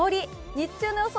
日中の予想